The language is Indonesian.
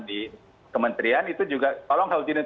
di kementerian itu juga kalau whole genome